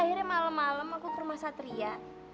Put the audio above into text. akhirnya malam malam aku kurma satria